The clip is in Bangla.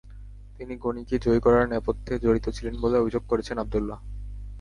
তিনি গনিকে জয়ী করার নেপথ্যে জড়িত ছিলেন বলে অভিযোগ করছেন আবদুল্লাহ।